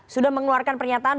sudah mengeluarkan pernyataan